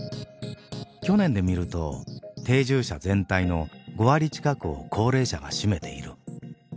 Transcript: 去年でみると定住者全体の５割近くを高齢者が占めている。